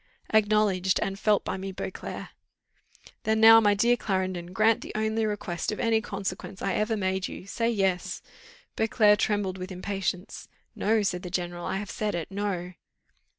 "Acknowledged, and felt by me, Beauclerc." "Then now, my dear Clarendon, grant the only request of any consequence I ever made you say yes." Beauclerc trembled with impatience. "No," said the general, "I have said it No."